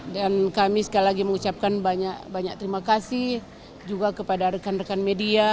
dan kami sekali lagi mengucapkan banyak banyak terima kasih juga kepada rekan rekan media